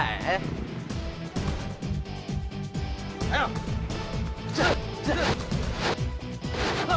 hei kita ajar dia